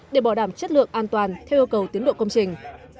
để bỏ đảm chất lượng an toàn theo yêu cầu tiến độ công trình